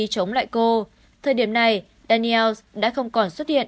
chống lại cô thời điểm này daniels đã không còn xuất hiện